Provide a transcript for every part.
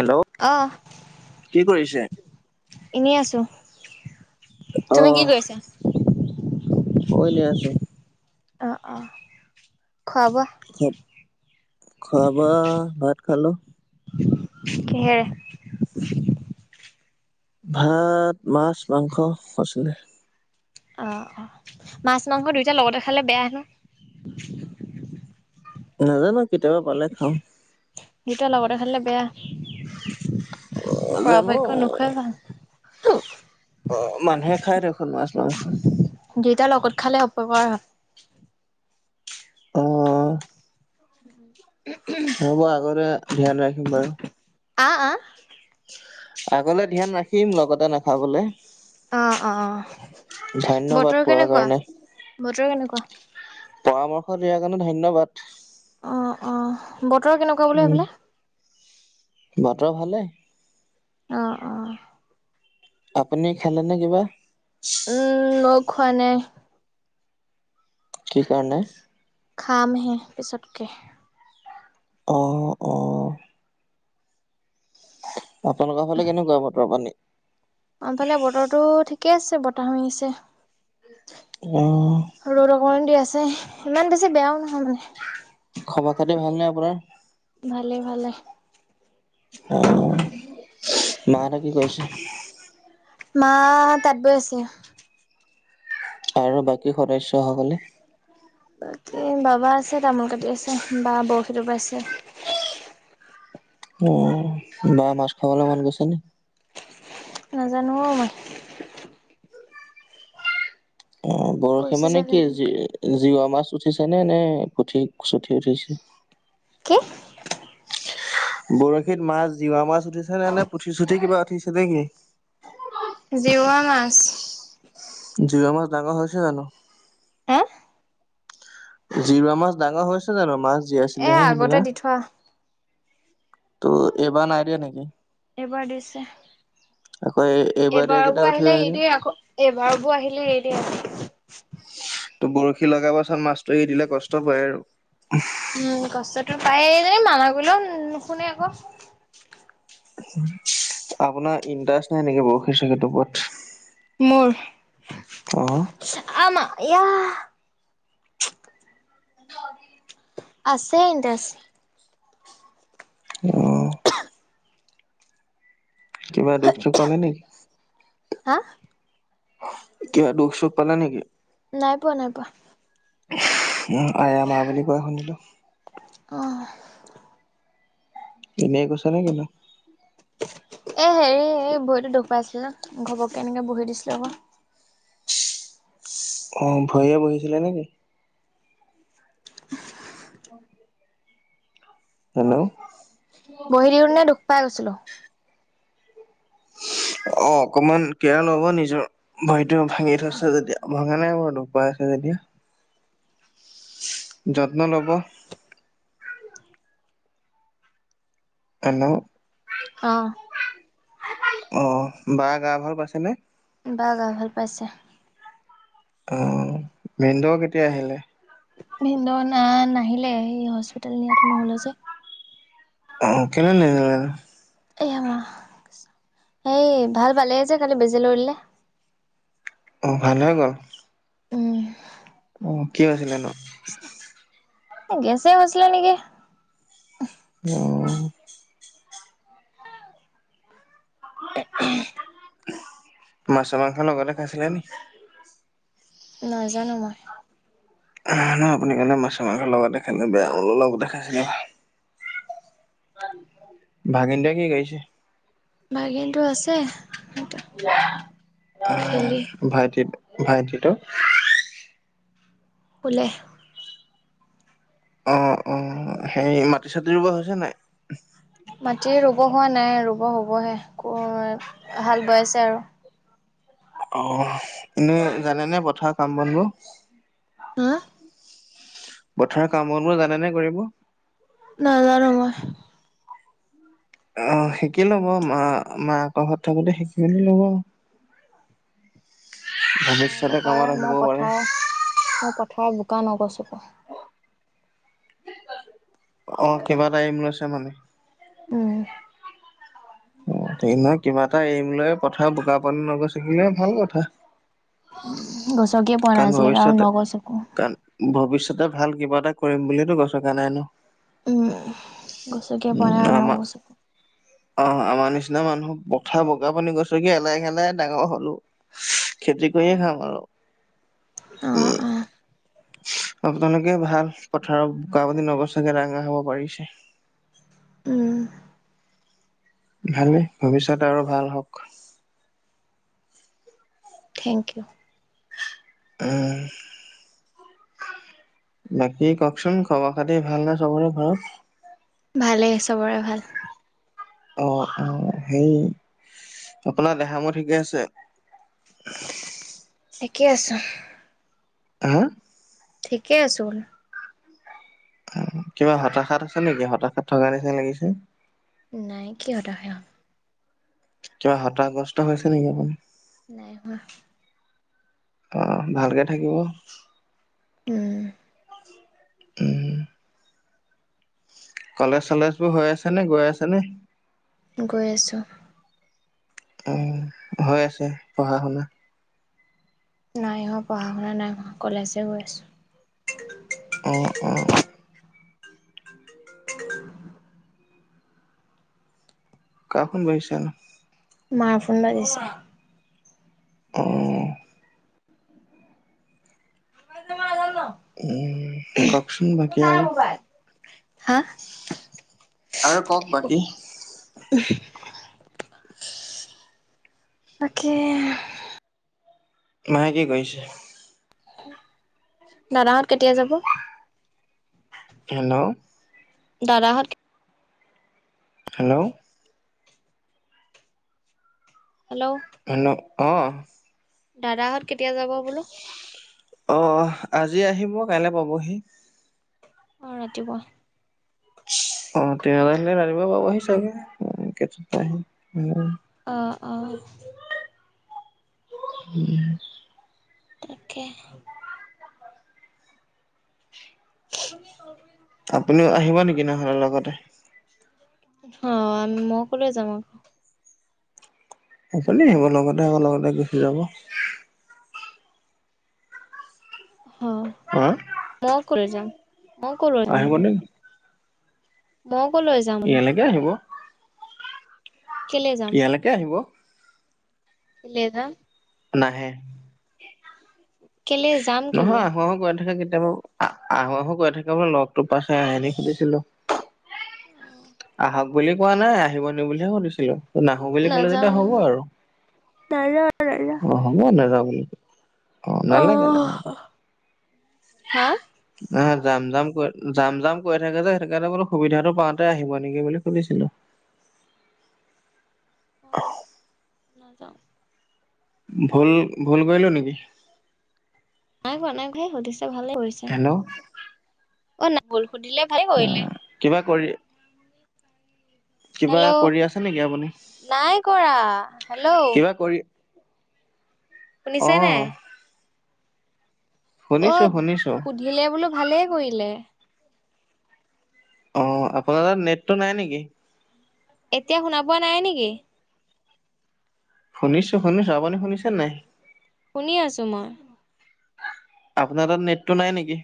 Hello অহ কি কৰিছে এনেই আছো তুমি কি অহ কৰিছা? মই ইনেই আছো অ অ খোৱা। বোৱা খোৱা বোৱা এই ভাত খালো কিহে ভাত মাছ মাংস আছিলে অ অ মাছ মাংস দুয়োটা লগতে খালে বেয়া হেনো নাজানো? কেতিয়াবা পালে খাওঁ। নিটোয়া [unintelligible] লগতে [unintelligible] বেয়া। সেই, জানো পৰাপক্ষত নোখোৱাই ভাল। অ', অ', অ'। মানুহে, খাই দেখোন মাছ মাংস। দুয়োতাৰ লগত খালে অপকাৰ হয়। অহ। [unintelligible] হ'ব, আগতে ধ্যান ৰাখিম বাৰু। আ, আ। আগলে ধ্যান ৰাখিম, লগতে নাখাবলৈ। অ', অ'। ধন্যবাদ বতৰ কোৱাৰ কেনেকুৱা? কাৰণে। বতৰ কেনেকুৱা? পৰামৰ্শ দিয়াৰ কাৰণে ধন্যবাদ। অ', অ'। বতৰ কেনেকুৱা বুলি উম। ভাবিলে? বতৰ ভালেই। অ', অ'। আপুনি খালেনে কিবা? উম, মই খোৱা নাই। কি কাৰণে? খাম হে, পিছতকে। অ', অ'। আপোনালোকৰ ফালে কেনেকুৱা, বতৰ পানী? আনফালে বতৰটো ঠিকেই আছে, বতাহো আহিছে। অ'। ৰ'দ অকণমান দি আছে। ইমান বেছি বেয়াও নহয়, মানে। খবৰ পাতি ভালনে আপোনাৰ? ভালে, ভালে। মাৰা কি কৰিছে? মা, তাঁত বৈ আছে। আৰু, বাকী সদস্যসকলে? বাকি, বাবা আছে। তামোল কাটি আছে, বা। [unintelligible] অ', বা মাছ খাবলে মন গৈছে নি? নাজানো, অ' মই। অ', বৰশী গৈছে মানে চাগে কি সেইকাৰণে। জি-জিৱা মাছ। উঠিছা নে, নে পুঠি চুঠিয়েই উঠিছে? কি? [unintelligible] বৰশীত মাছ জিৱা মাছ উঠিছে নে, নে পুঠি চুঠি কিবা উঠিছে নেকি? জিৱা মাছ। জিৱা মাছ ডাঙৰ হৈছে জানো? [unintelligible] জিৱা মাছ ডাঙৰ হৈছে জানো? মাছ এ জীয়াইছিলেহে আগতে সেইদিনা। দি থোৱা ত'এইবাৰ নাই দিয়া নেকি? এইবাৰ দিছে। আকৌ এই দিয়া এইবাৰ কেইটা বৌ উঠি আহিলে এই দি আকৌ। এইবাৰ বৌ আহিলে এই দি আকৌ। তোৰ, বৰশী লগাবাচোন মাছ। তই এৰি দিলে কষ্ট পায় আৰু। তাই এৰিলে, মানা কৰিলেও নুশুনে আকৌ। আপোনাৰ ইণ্ট্ৰাছ নাই নেকি? বহু কিছু ক্ষেত্ৰৰ ওপৰত। মোৰ। [unintelligible] অ', আছে ইণ্ট্ৰাৰেছ। [inaudible] কিবা দুখ চুখ পালা নেকি? হা কিবা দুখ চোখ পালা নেকি? নাই পোৱা নাই পোৱা। আয়া মাই বুলি কোৱা শুনিলো। অহ, এনেই কৈছ নে কিনো। এ হেৰি-হেৰি এই ভৰিতো দুখ পাইছিল ন ঘপক এনেকে বহি দিছিলো আকৌ। অ' ভয়ে বহিছিলে নেকি? অ', হেল্ল', বহি দি নে দুখ পাই গৈছিলো উ [inaudible] অ' অকমান কেয়াৰ লব নিজৰ ভৰিতো ভাঙি থৈছে যেতিয়া ভঙা নাই বাৰু দুখ পাই আছা যে ক দিয়া [unintelligible] যত্ন ল'ব। হেল্ল, অ অ' বা গা ভাল পাইছেনে? বা গা ভাল পাইছে। অ' ভিনদেও কেতিয়া আহিলে? ভিনদেও না নাহিলে সেই হস্পিতেল নিয়াতো নহেলে যে। অ' কেনে য এ এই ভাল পালে যে কালি বেজি লৈ ললে। অ' ভাল হৈ গ'ল। উম, অ' কি হৈছিলে নো? গেছে হৈছিলে নেকি? অ', উ [inaudible] মাছ মাংস লগতে খাইছিলে নি? নাজানো মই নহয় আপুনি কাইলে মাছ মাংস লগত খাই বেয়া হল লগতে খাইছিলে নহয়। ভাগিনটোৱে কি কৰিছে? ভাগিনটো আছে। খেলি অহ ভাইটি ভাইটিটো। শুলে। অ-অ সেই মাটি চাটি ৰোৱা হৈছে নাই। মাটি ৰুব হোৱা নাই ৰুব হবহে ক হাল বয় আছে আৰু। অ' এনেই জানে নে পথাৰ কাম বনবোৰ। উম, পথাৰৰ কাম বন বোৰ জানে নে কৰিব? নাজাৰো মই। অ' শিকি লব মা-মাকৰ ঘৰত থাকোতে শিকি লব। উম, [inaudible] অ' পথাৰ মই পাৰে পথাৰ মই পথাৰ বোকা নগছো। অ' কিবা টাইম লৈছে মানে। উম অ' নহয় কিবা এটা এৰিমৈ পথা বোকা পানী নগৰ ছিকিলে ভাল কথা। উ গছকিয় পোৱা না কাৰণ আছিলেকে আৰু নগছ একো। ত' ভাল কিবা এটা কৰিম বুলিতো গৈছকা নাই ন। গচকিযে পোৱা নাই উম আৰু আমাৰ নগচো। অ' আমাৰ নিচিনা মানুহ পথাৰ বগা পানী গছকি এলাই ঘেলাই ডাঙৰ হ'লো। খেতি কৰিয়ে খাম আৰু। অ'-অ'। তেনেকে ভাল পথাৰত বোকা পানী নগচাকে ডাঙৰ হ'ব পাৰিছে। উম। ভালেই ভৱিষ্যত আৰু ভাল হওক। Thank you. উম্। বাকী কওকচোন খবৰ খাতি ভাল নে চবৰে ঘৰত। ভালেই চবৰে ভাল। অ'-অ'সেই আপোনাৰ দেহা মোৰ ঠিকে আছে। ঠিকে আছোঁ। হা। ঠিকেই আছো। উম, কিবা হতাশাত আছা নেকি, হতাশাত থকা নিচিনা লাগিছে। নাই কি হতাশা কিবা হতাসগ্ৰস্ত হৈছে নেকি আপুনি। নাই হোৱা। অ' ভালকে থাকিব। উম। উম। কলেজ চলেজ বোৰ হৈ আছে নে গৈ আছে নে। গৈ আছো। উম, হৈ আছে পঢ়া শুনা। নাই হোৱা পঢ়া শুনা নাই হোৱা, কলেজহে গৈ আছো। অ'- অ'। [inaudible] কাৰ ফোন বাজিছে নো। মাৰ ফোন বাজিছে। অ' [inaudible] উম, কওকচোন বাকী আৰু। হা আৰু কওক বাকী। তাকে। মায়ে কি কৰিছে। দাদাহত কেতিয়া যাব। হেল্ল'। দাদাহঁত হেল্ল'। হেল্ল'। হেল্ল' অ'। দাদাহঁত কেতিয়া যাব বোলো। অ' আজি আহিব কাইলে পাবহি। অ' ৰাতিপুৱা। অ' তেওঁ আহিলে ৰাতিপূৱা পাবহি চাগে কেতাত পায়হি, উম্। অ' -অ'। উম। তাকে। [inaudible] আপুনিও আহিব নেকি [unintelligible] অ' মই ক'লৈ যাম আকৌ। আপুনি আহিব লগতে আকৌ লগতে গুচি যাব অ [inaudible] মই কলৈ যাম মই কলৈ যাম আহিব বোলো নে মই কলৈ যাম বোলা ইয়ালৈকে আহিব যাম ইয়ালৈকে আহিব [inaudible] নাহে কেলে যাম কেলে নহয় মোক আহো আহো কৈ থাকে বুলো লগটো পাইছে আহনে সুধিছিলো আহক বুলি কোৱা নাই আহিব নি বুলিহে সুধিছিলো নাহো বুলি ক'লে নাযাও যেতিয়া হ'ব আৰু নাযাও নাযাও নাযাও অ হ'ব নাযাওঁ বুলি ক অ নালাগে নালাগ অহ হা অ জাম জাম ক যাম জাম কৈ থাকে যে সেইটো কাৰণে বোলো সুবিধাটো পাওঁতে আহিব নেকি বুলি শুনিছিলো [inaudible] অ নাযাওঁ ভুল ভুল কৰিলো নেকি নাইহোৱা [unintelligible] সুধিছে ভালে কৰিছে হেল্ল' সুধিলে ভাল অ কৰিলে কিবা কৰি কিবা হেল্ল' কৰি আছে নেকি আপুনি নাই কৰা হেল্ল' কিবা কৰি [inaudible] অ শুনিছে নাই অ শুনিছো শুনিছো সুধিলে বোলো ভালেই কৰিলে অ আপোনাৰ তাত নেটটো নাই নেকি এতিয়া শুনা পোৱা নাই নেকি শুনিছো শুনিছো আপুনি শুনিছে নাই শুনি আছো মই আপোনাৰ তাত নেটটো নাই নেকি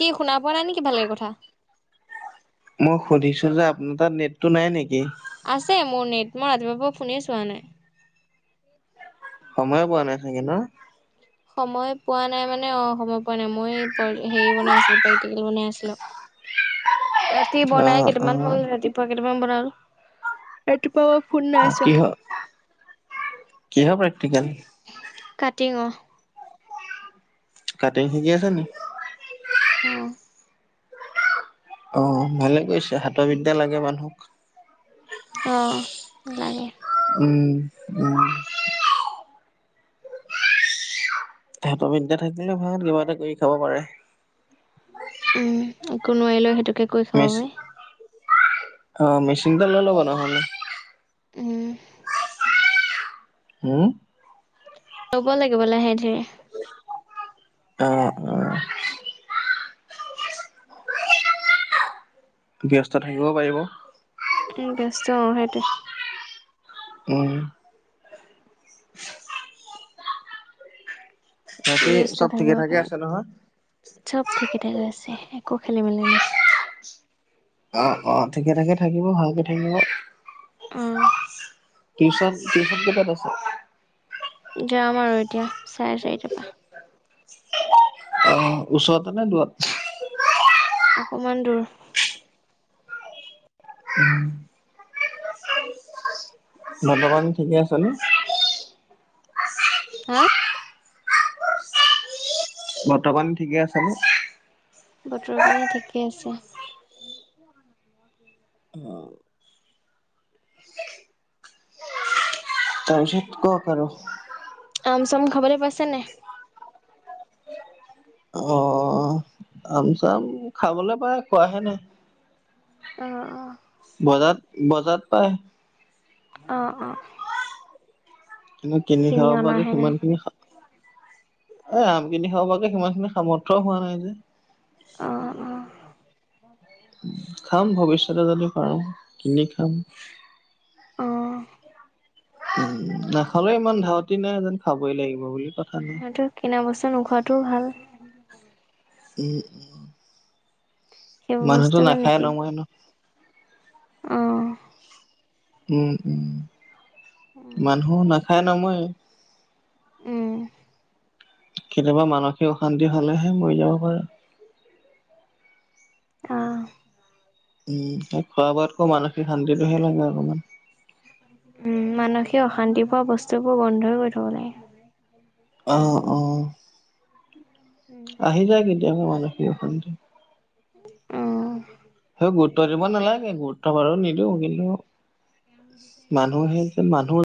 কি শুনা পোৱা নাই নেকি ভালকে কথা মই সুধিছোঁ যে আপোনাৰ তাত নেটটো নাই নেকি আছে মোৰ নেট মই ৰাতিপুৱা ফোনে চোৱা নাই সময় পোৱা নাই চাগে ন সময় পোৱা নাই মানে অ সময় পোৱা নাই মই সেইৰি বনাই আছিলো পাইটিকেল বনাই আছিলো ৰাতি বনাই অ', কেইটামান অ', হ'ল ৰাতিপুৱা কেইটামান বনালো ৰাতিপুৱা ফোন নাইছোৱা কি হয় প্ৰেক্টিকেল কাটিঙ কাটিং শিকি আছে নি অহ অ ভালে গৈছে হাতৰবিদ্যা লাগে মানুহক অ লাগে উম উম হাতৰ বিদ্যা থাকিলে ভাল কিবা এটা কৰি খাব পাৰে উম একো নোৱাৰিলেও সেইটোকে কৰি খাব মেচ পাৰি অ মেচিনতে লৈ ল'ব নহ'লে উম উম ৰ'ব লাগিব লাহে ধিৰে অ অ [inaudible] ব্যস্ত থাকিব পাৰিব। উ ব্যস্ত অ' সেইটোৱে। উম। বাকী ব্যস্ত চব ঠিকে থাকিব ঠাকে আছে পাৰিম নহয়? চব ঠিক কেতে গৈ আছে একো খেলি মেলি নাই। অ', অ' ঠিকে ঠাকে থাকিব ভালকে থাকিব। অ'। টিউচন টিউশন কিবাত আছে। যাম আৰু এতিয়া চাৰে চাৰিট পা। অ', ওচৰতে নে দুৱাত। অকমান দূৰত। নটকান ঠিকে আছে ন। হা। বৰ্তমান ঠিকে আছে নে। বতৰৰ পানী ঠিকেই আছে। তাৰপিছত কক আৰু। আম চাম খাবলে পাছ নে। অ', আম চাম খাবলৈ পায় কোৱাহে নাই। অ', অ। বজাত বজাৰ পাই। অ', অ'। কিনি খাব পৰাকে অনাহে নাই সিমান খিনি খা এই আমখিনি খাব পকে সিমানখিনি সামৰ্থয়ও হোৱা নাই যে। অ', অ'। খাম ভৱিষ্যতে যদি পাৰো কিনি খাম। অ', উম নাখে ইমান ধাউতি নাই যেন খাবই লাগিব বুলি। কথা নাই। সেইটো কিনা বস্তা নোখোৱাাতটোও ভাল। উম', উম। সেইবোৰ মানুহতো বস্তু নাখায় নেকি নহয় ন। অ'। উম', উম', মানুহ নাখায় নমৰে। উম। কেতিয়াবা মানসিক অশান্তি হলেহে মৰি যাব পাৰে। অ'। উম', খোৱা বোৱাতকৈ মানসিক শান্তিটোহে লাগে অকমান। উম', মানসিক অশান্তি পোৱা বস্তুবোৰ বন্ধই গৈ থব লাগে। অ', অ। আহি যায় কেতিয়াবা মানুসিক অশান্তি। অ'। সেই গুৰুত্ব দিব নালাগে গুৰুত্ব বাৰু নিদিওঁ কিন্তু মানুহে যে মানুহৰ